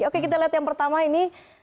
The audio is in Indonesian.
oke kita lihat yang pertama ini